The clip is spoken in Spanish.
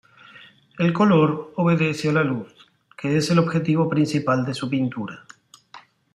El color obedece a la luz, que es el objetivo principal de su pintura.